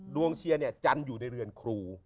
เชียร์เนี่ยจันทร์อยู่ในเรือนครู